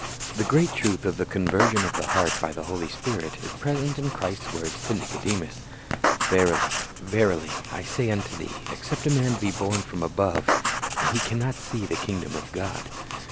The great truth of the conversion of the heart by the Holy Spirit is presented in Christ's words to Nicodemus: "Verily, verily, I say unto thee. Except a man be born from above, he can not see the kingdom of God.